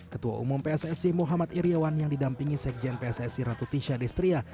ketua umum pssi muhammad iryawan yang didampingi sekjen pssi ratu tisha destria